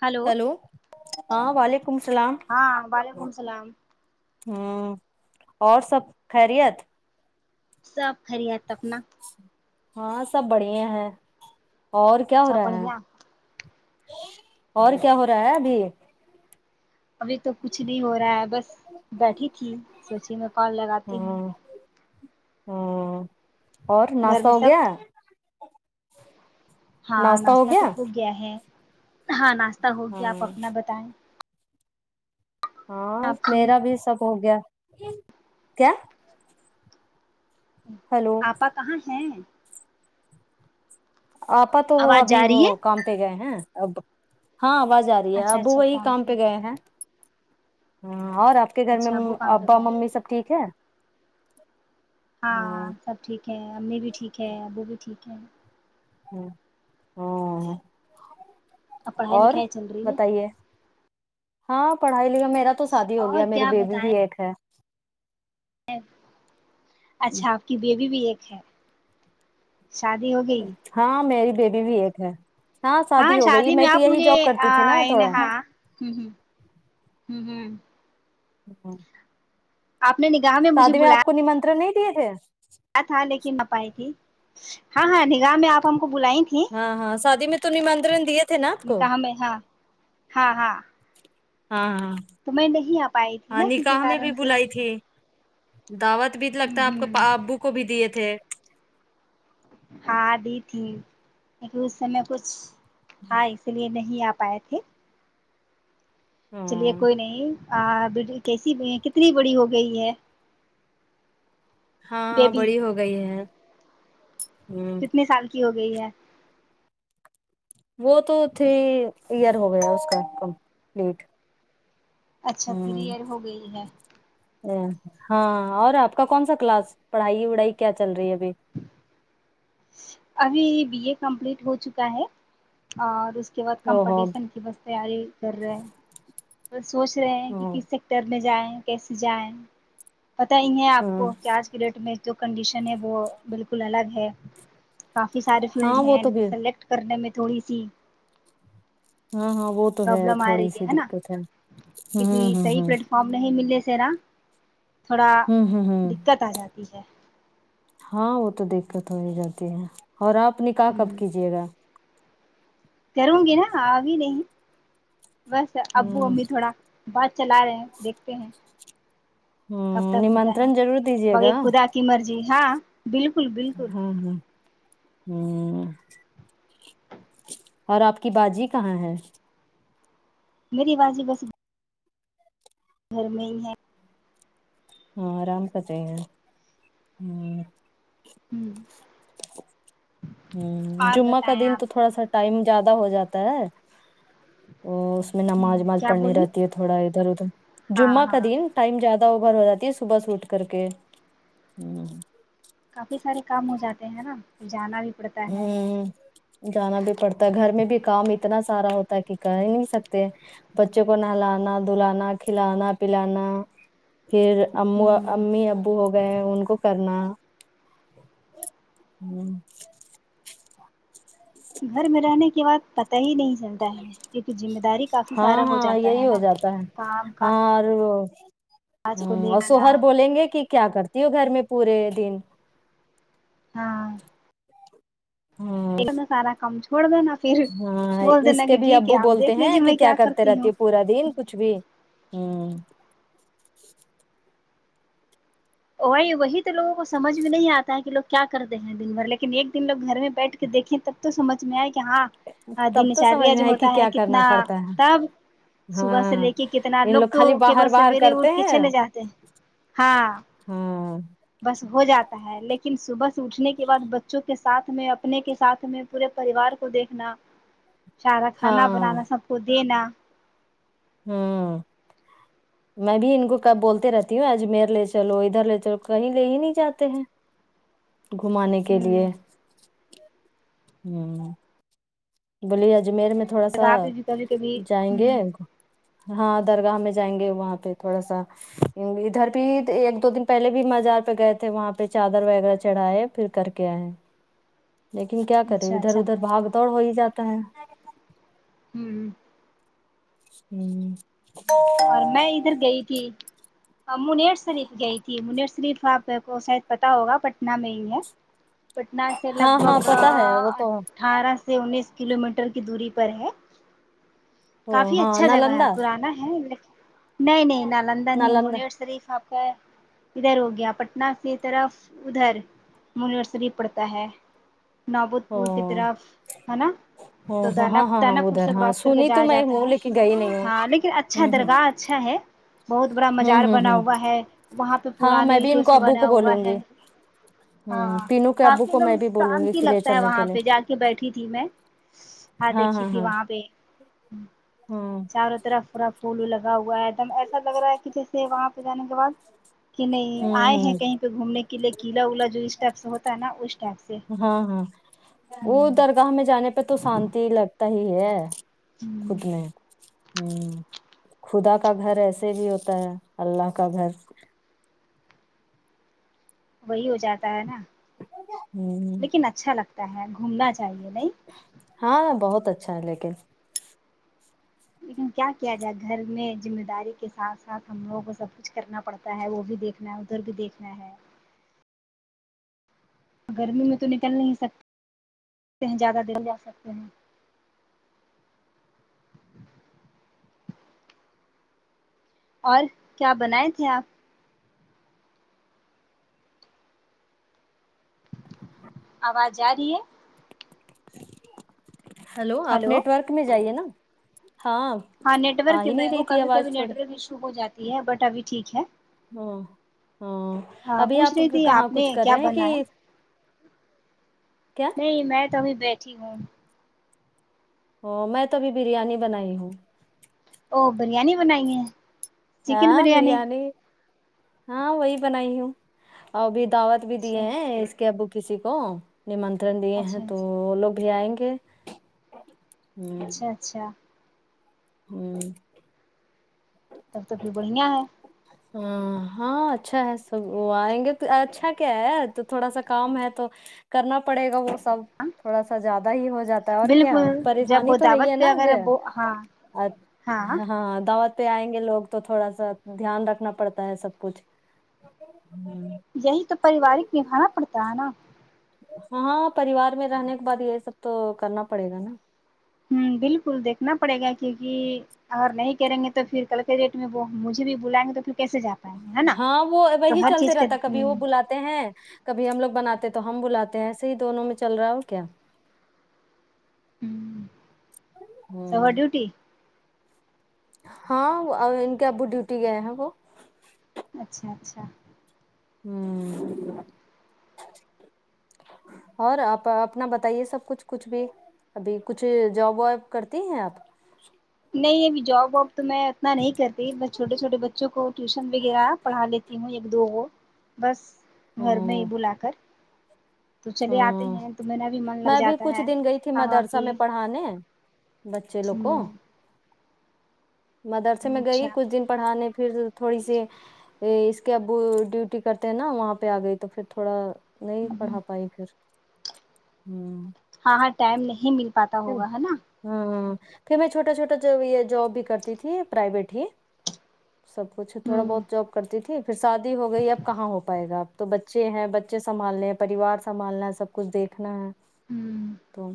hello hello ہاں وعلیکم السلام ہاں وعلیکم السلام ہوں اور سب خیریت سب خیریت اپنا ہاں سب بڑے ہیں اور کیا ہو سب رہا ہے بڑھیا اور کیا ہو رہا ہے ابھی یہ ابھی تو کچھ نہیں ہو رہا ہے بس بیٹھی تھی سوچی میں کال لگاتی ہوں ہ اور گھر ناسا میں ہو سب گیا ہاں ناشتہ تو ہو گیا ہے ہاں ناشتہ ہو گیا آپ ہاں اپنا بتائیں ہاں آپ کی میرا بھی سب ہو گیا کیا ہیلو آپا کہاں ہیں آپا تو وہ آواز ابھی جا رہی ہے وہ کام پہ گئے ہیں اب ہاں آواز آ ابو وہی کام پہ گئے ہیں ہ اور آپ کے گھر اچھا مم ابو کام پہ ابا گئے ممی سب ٹھیک ہے ہاں سب ٹھیک ہے امی بھی ٹھیک ہے ابو بھی ٹھیک ہے ہوں اب پڑھائی اور لکھائی چل رہی ہے بتائیے ہاں پڑھائی لی میرا تو سادی ہو اور گیا میری کیا بیبی بتائیں بھی ایک ہے اچھا آپ کی بیبی بھی ایک ہے شادی ہو گئی ہاں میری بیبی بھی ایک ہے ہاں سادی ہو گئی میں تو یہی جاب کرتی تھی نا تھوڑا ہوںہوں ہ ہ ہ [inaudible] آپ نے نگاہ میں مجھے سادی میں آپ کو بلایا نمنترا نہیں دیے تھے تھا لیکن آ پائی تھی ہاں ہاں نکاح میں آپ ہم کو بلاے ت ہاں ہاں سادی میں تو نمنترن دیے تھے نا آپ کو نکاح میں ہاں ہاں ہاں ہاں ہاں تو میں نہیں آ پائی تھی ہاں نا کسی نکاح میں کارن بھی سے بلائی تھی دعوت بھی ہوں لگتا ہے آپ کو ہوں ابو کو بھی دیے تھے ہاں دی تھی لیکن اس سمے کچھ ہاں اسی لیے نہیں آ پائے تھے چلیے ہاں کوئی نہیں آ اب کیسی کتنی بڑی ہو گئی ہے ہاں ہاں بیبی بڑی ہو گئی ہے ہ کتنے سال کی ہو گئی ہے وہ تو تھری ایئر ہو گیا اس کا کمپلیٹ اچھا تھری ایئر ہو گئی ہے ا ہاں اور آپ کا کون سا کلاس پڑھائی وڑھائی کیا چل رہی ہے ابھی ابھی بی اے کمپلیٹ ہو چکا ہے اور اس کے بعد او ہو کمپٹیشن کی بس تیاری کر رہے ہیں سوچ رہے ہیں کہ ہاں کس سیکٹر میں جائیں کیسے جائیں پتا ہی ہے آپ ہاں کو کہ آج کے ڈیٹ میں جو کنڈیشن ہے وہ بالکل الگ ہے کافی سارے فیلڈ ہاں وہ ہیں تو بھی سلیکٹ کرنے میں تھوڑی سی ہاں ہاں وہ تو ہے پرابلم آ تھوڑی رہی سی نا دقت ہے ہ کیونکہ ہ ہ صحیح پلیٹ فارم نہیں ملنے سے نا تھوڑا ہوں ہوں ہوں دقت آ جاتی ہے ہاں وہ تو دکت ہو ہی جاتی ہے اور آپ نکاح ہ کب کیجیے گا کروں گی نا ابھی نہیں بس ابو ہوں امی تھوڑا بات چلا رہے ہیں دیکھتے ہیں کب ہوں تک ہوتا ہے نمنترن ضرور دیجیے باقی گا خدا کی مرجی ہاں بالک ہوں ہوں ہوں اور آپ کی باجی کہاں ہے میری باجی بس گھر میں ہی ہے ہاں آرام کرتے ہیں ہوں ہ ہ اور جمعہ کا بتائیں دن آپ تو تھوڑا سا ٹائم زیادہ ہو جاتا ہے اس میں ہ نماز وماز کیا پڑھنی بولی رہتی ہے تھوڑا ادھر ادھر ہاں جمعہ کا ہاں دن ٹائم زیادہ اوبھر ہو جاتی ہے صبح سے اٹھ کر کے ہ کافی سارے کام ہو جاتے ہیں نا پھر جانا بھی پڑتا ہے ہ جانا بھی پڑتا ہے گھر میں بھی کام اتنا سارا ہوتا ہے کہ کر ہی نہیں سکتے بچے کو نہلانا دلانا کھلانا پلانا پھر ام ہ امی ابو ہو گئے ان کو کرنا ہوں [inaudible] گھر میں رہنے کی بات پتہ ہی نہیں چلتا ہے کیونکہ ذمہ داری کافی ہاں سارا ہو ہاں جاتا یہی ہے ہو نا جاتا ہے کام ہاں اور ہ کاج کو لے اور جانا سوہر بولیں گے کہ کیا کرتی ہو گھر میں پورے دن ہاں ہوں ان لوگ کہ سارا کام چھوڑ دینا پھر ہاں بول دینا اس کہ کے بھی ٹھیک ہے ابو آپ بولتے دیکھ لیجیے ہیں کہ میں کیا کرتے کرتی رہتی ہے ہوں پورا دن کچھ بھی ہوں وہی وہی تو لوگوں کو سمجھ میں نہیں آتا ہے کہ لوگ کیا کرتے ہیں دن بھر لیکن ایک دن لوگ گھر میں بیٹھ کے دیکھیں تو تو سمجھ میں آئے کہ ہاں تب دن تو سمجھ چریا میں جو کہ ہوتا ہے کیا کرنا کتنا پڑتا ہے کام صبح سے ہاں لے کے کتنا ان لوگ تو خالی باہر کیوال باہر سویرے کرتے اٹ کے چلے جاتے ہیں ہاں ہوں بس ہو جاتا ہے لیکن صبح سے اٹھنے کے بعد بچوں کے ساتھ میں اپنے کے ساتھ میں پورے پریوار کو دیکھنا سارا کھانا ہاں بنانا سب کو دینا ہمم میں بھی ان کو کب بولتے رہتی ہوں اجمیر لے چلو ادھر لے چلو کہیں لے ہی نہیں جاتے ہیں گھمانے کے ہوں لیے ہمم بولے اجمیر می تھوڑاسا جگہ پہ بھی کبھی کبھی جائیں ہ گے ہاں درگاہ میں جائیں گے وہاں پے تھوڑا سا ادھر بھی ایک دو دن پہلے بھی مزار پے گئے تھے وہاں پے چادر وغیرہ چڑھائے پھر کر کے آئے ہے لیکن کیا کریں اچھا ادھر اچھا ادھر بھاگ دوڑ ہو ہی جاتا ہے ہمم ہمم اور میں ادھر گئی تھی منیر شریف گئی تھی منیر شریف آپ کو شاید پتہ ہوگا پٹنہ میں ہی ہے پٹنہ سے لگ ہاں ہاں بھگ آ پتا ہے وہ تو اٹھارہ سے سے انیس کلو میٹر کی دوری پر ہے او کافی ہاں اچھا جگہ ہے نالندہ پرانا ہے لیکن نہیں نہیں نالندن ہی نالندہ منیر شریف آپ ہے ادھر ہو گیا پٹنہ سے طرف ادھر منیر شریف پڑتا ہے نوبود او پور کی طرف ہے نا او تو ہاں دانا ہاں ہاں ہاں دانا پور ادھر سے ہاں کراس کر کے سنی تو جایا میں جاتا ہوں ہے لیکن گئی نہیں ہوں ہاں لیکن اچھا ہوں ہوں درگاہ اچھا ہے بہت بڑا ہوں مزار ہوں بنا ہوں ہوا ہے وہاں پے ہاں پرانے میں بھی ان اینٹوں کو سے ابو کو بنا ہوا بولوں ہے گی ہوں ہاں پینو کے ابو کافی ایک کو دم میں بھی بولوں گی سانتی کہ لے لگتا ہے چلنے کے وہاں لیے پے جا کے بیٹھی تھی میں ہاں دیکھی تھی وہاں پے ہاں چارو ترف فرف پھول لگا ہوا ہے ایک دم ایسا لگ رہا ہے کی جیسے وہاں پے جانے کے بعد کی نہیں ہوں ائے ہیں ہوں کہیں پے گھومنے کے لیے کیلا ویلا جو اسٹپس ہوتا ہے نا اس ٹیپس ہاں ہاں وہ درگاہ میں جانے پے تو شانتی لگتا ہی ہے ہ ہمم ہمم خدا کا گھر ایسے بھی ہوتا ہے الله کا گھر وہی ہو جاتا ہے نا ہوں لیکن اچھا لگتا ہے گھومنا چاہیے نہیں ہاں بہت اچھا ہے لیکن لیکن کیا کیا جائے گھر میں ذمہ داری کے ساتھ ساتھ ہم لوگوں کو سب کچھ کرنا پڑتا تا ہے وہ بھی دیکھنا ہے ادھر بھی دیکھنا ہے گرمی میں تو نکل نہیں سکتے ہیں زیادہ دن جا سکتے ہیں اور کیا بنائے تھے آپ آواز جا رہی ہے ہلو آپ نیٹورک میں جائیے نا ہاں ہاں نیٹ آ ورک ہی میں نہیں ہوں رہی تھی کبھی آواز کبھی نیٹ تھوڑی ورک ایشو ہو جاتی ہے بٹ ابھی ٹھیک ہے ہاں ہاں ہاں ابھی پوچھ آپ رہی تھی کہاں آپ نے کچھ کر کیا رہے ہیں کہ بنایا کیا نہیں میں تو ابھی بیٹھی ہوں او میں تو ابھی بریانی بنائی ہوں او بریانی بنائی ہے ہاں بریانی ہاں وہی بنائی ہوں اور بھی دعوت بھی دیے اچھا ہیں اس کے ابو کسی کو نمنترن دیے ہیں اچھا اچھا تو وہ لوگ بھی آئیں گے اچھا اچھا ہوں تب تو پھر بڑھیا ہے ہ ہاں اچھا ہے سب وہ آئیں گے اچھا کیا ہے تو تھوڑا سا کام ہے تو کرنا پڑے گا وہ سب تھوڑا سا زیادہ ہی ہو جاتا ہے اور کیا بالکل جب پریشانی وہ تو ہے ہی ہے دعوت پہ نا اگر ا وہ ہاں اچھ ہاں دعوت پہ آئیں گے لوگ تو تھوڑا سا دھیان رکھنا پڑتا ہے سب کچھ یہی تو پاریوارک نبھانا پڑتا ہے نا ہاں پریوار میں رہنے کے بعد یہ سب تو کرنا پڑے گا نا ہوں بالکل دیکھنا پڑے گا کیونکہ اگر نہیں کریں گے تو پھر کل کے ریٹ میں وہ مجھے بھی بلائیں گے تو پھر کیسے جا پائیں گے ہے نا ہاں وہ تو وہی ہر چلتے چیز کا رہتا کبھی وہ بلا تے ہیں کبھی ہم لوگ بناتے ہیں تو ہم بلاتے ہیں ایسے ہی دونوں میں چل رہا ہے ہو کیا ہوں ہ ڈیوٹی ہاں ان کے ابو ڈیوٹی گئے ہیں وہ اچھا اچھا ہوں اور آپا اپنا بتائیے سب کچھ بھی ابھی کچھ جاب واب کرتی ہیں آپ نہیں ابھی جاب واب تو میں اتنا نہیں کرتی بس چھوٹے چھوٹے بچوں کو ٹیوشن وغیرہ پڑھا لیتی ہوں ایک دو وہ بس گھر میں ہاں ہی بلا کر تو چلے آتے ہاں ہیں تو میرا بھی من لگ میں بھی جاتا کچھ ہے دن گئی تھی آاں مدرسہ کی میں پڑھانے بچے لوگ کو مدرسے میں اچھا گئی کچھ دن پڑھانے پھر تھوڑی سی اس کے ابو ڈیوٹی کرتے ہیں نا وہاں پہ آ گئی تو پھر تھوڑا نہیں ہوں پڑھا پائی پھر ہوں ہاں ہاں ٹائم نہیں مل پاتا ہوگا ہے نا ہوں پھر میں چھوٹا چھوٹا جو یہ جاب بھی کرتی تھی پرائیویٹ ہی سب کچھ تھوڑا ہوں بہت جپ کرتی تھی پھر شادی ہو گئی اب کہاں ہو پائے گا اپ تو بچے ہیں بچے سنبھالنے ہیں پریوار سنبھالنا ہے سب کچھ دیکھنا ہے تو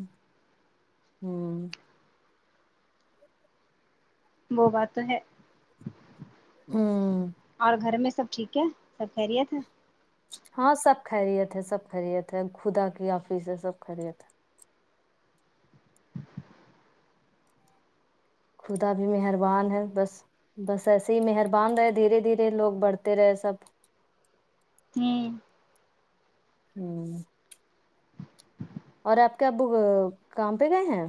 ہوں وہ بات تو ہے ہوں اور گھر میں سب ٹھیک ہے سب خیریت ہے ہاں سب خیریت ہے سب خیریت ہے خدا کی آفیت س ہے سب خیریت ہے خدا بھی مہربان ہے بس بس ایسے ہی مہربان رہے دھیرے دھیرے لوگ بڑھتے رہے سب ہوں ہوں اور آپ کے ابو کام پہ گئے ہیں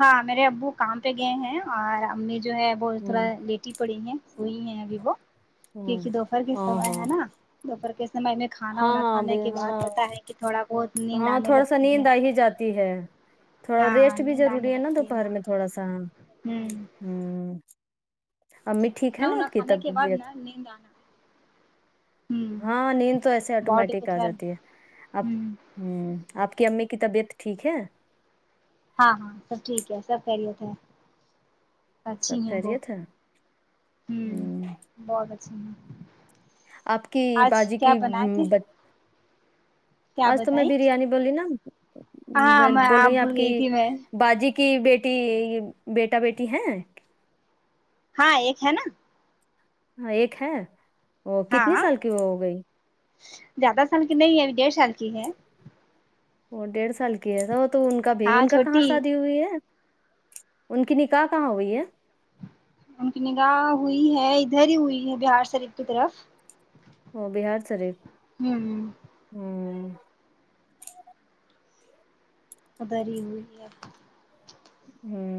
ہاں میرے ابو کام پہ گئے ہیں اور امی جو ہے وہ تھوڑا ہوں لیٹی پڑی ہیں وہی ہے ابھی وہ ہوں کیونکہ دوپہر کے ہاں سمے ہاں ہے نا دوپہر کے سمےمیں ہاں ہاںب ہاں تھوڑا بہت نیند ہاں آنے تھوڑا سا لگتی ہے نیند آ ہی جاتی ہے تھوڑا ریسٹ ہاں بھی نیند آنے ضروری ہے نا لگتی دوپہر ہوں میں تھوڑا سا ہ امی ٹھیک ہے کھانا نا وانا آپ کی کھانے کے بعد طبیعت نا نیند آنا ہوں ہاں نیند تو ایسے باڈی آٹومیٹک کو آ تھوڑا جاتی ہے اب ہوں ہوں آپ کی امی کی طبیعت ٹھیک ہے ہاں ہاں سب ٹھیک ہے سب خیریت ہے اچھی سب ہے وہ خیریت ہوں بہت اچھی ہے آپ کی باجی کی بج کیا آج تو میں بتائیں بریانی بول رہی نا ہاں میں بول آ رہی ہ بھول آپ کی گئی تھی میں باجی کی بیٹی بیٹا بیٹی ہیں ہاں ایک ہے نا ہاں ایک ہے وہ کتنی ہاں سال کی وہ ہو گئی زیادہ سال کی نہیں ہے ابھی ڈیڑھ سال کی ہے وہ ڈیڑھ سال کی ہے وہ تو ان کا بھی ہاں ان کا کہاں چھوٹی سادی ہوئی ہے ان کی نکاح کہاں ہوئی ہے ان کی نکاح ہوئی ہے ادھر ہی ہوئی ہے بہار سریف کی طرف ہ بہار شریف ہوں ہوں ادھر ہی ہوئی ہے ہوں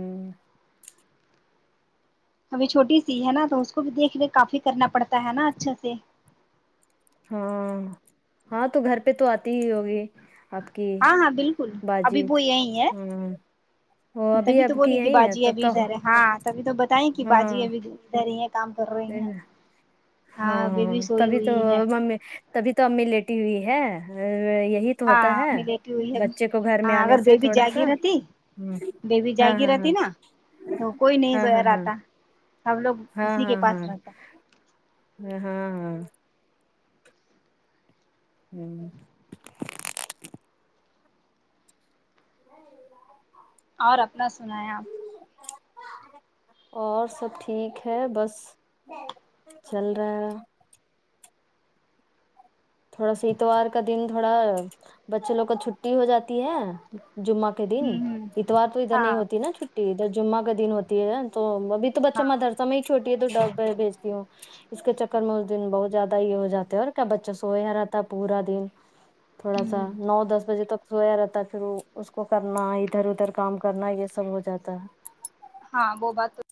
ابھی چھوٹی سی ہے نا تو اس کو بھی دیکھ ریکھ کافی کرنا پڑتا ہے نا اچھا سے ہاں ہاں تو گھر پہ تو آتی ہی ہوگی آپ کی ہاں ہاں بالکل ابھی باجیت وہ یہی ہے ہوں وہ ابھی تبھی تو آپ کی بولیے کہ یہی ہے باجی تب ابھی تو ادھر ہے ہاں تبھی تو بتائیں کہ باجی ابھی ادھر ہی ہے ہاں بیبی ہاں سوئی تبھی تو ہوئی ہے ما می تبھی تو امی لیٹی ہوئی ہے یہی تو ہاں ہوتا ہے امی لیٹی ہوئی ہے بچے کو گھر میں ہاں آنے اگر سے بیبی تھوڑا جاگی سا رہتی ہوں بیبی ہاں جاگی ہاں رہتی ہاں نا تو کوئی نہیں سو ہاں ہاں رہتا سب لوگ ہاں اسی کے ہاں ہاں پاس رہتا ہاں ہاں ہاہ ہوں اور اپنا سناے آپ اور سب ٹھیک ہے بس چل رہا ہے تھوڑا سا اتوار کا دن تھوڑا بچے لوگ کا چھٹی ہو جاتی ہے جمعہ کے دن ہوں ہوں اتوار تو ادھر ہاں نہیں ہوتی نا چھٹی جب جمعہ کا دن ہوتی ہے تو ا بھی تو بچہ ہاں مدرسہ میں ہی چھوٹ تو ڈبے بھیجتی ہوں اس کے چکر میں اس دن بہت زیادہ ہی یہ ہو جاتے ہے اور کیا بچوں سو رہتا پورا دن تھوڑا سا ہوں نو دس بجے تک سویا رہتا ہے پھر وہ اس کو کرنا ادھر ادھر کام کرنا یہ سب ہو جاتا ہے ہاں وہ بات تو